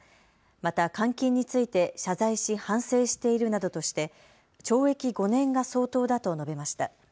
また監禁について謝罪し反省しているなどとして懲役５年が相当だと述べました。